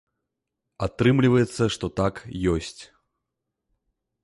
Атрымліваецца, што так, ёсць.